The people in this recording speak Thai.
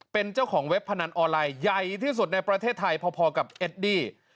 เป็นเจ้าของเว็บพนันออนไลน์ใหญ่ที่สุดในประเทศไทยพอกับเอดดี้